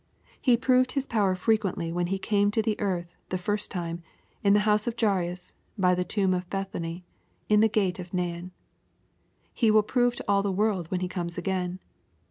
He proved His power frequently when He came to the earth the first time, in the house of Jairus, by the tomb of Beth any, in the gate of Nain. He will prove to all the world when He comes again.